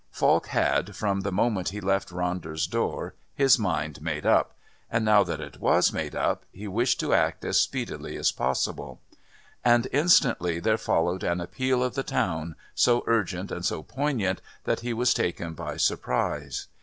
Falk had, from the moment he left Ronder's door, his mind made up, and now that it was made up he wished to act as speedily as possible. And instantly there followed an appeal of the Town, so urgent and so poignant that he was taken by surprise.